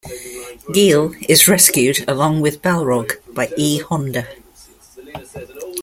Guile is rescued along with Balrog by E. Honda.